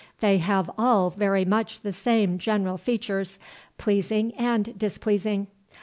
They have all very much the same general features, pleasing and displeasing.